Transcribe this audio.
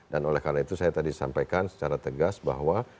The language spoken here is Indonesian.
dan oleh karena itu saya tadi sampaikan secara tegas bahwa